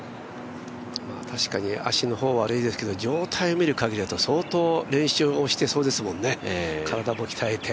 確かに足の方は悪いですけど、状態を見るかぎりでは相当、練習をしてそうですもんね。